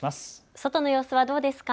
外の様子はどうですか。